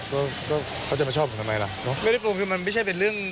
ก็ก็เขาจะมาชอบผมทำไมล่ะเนอะไม่ได้โปรงคือมันไม่ใช่เป็นเรื่อง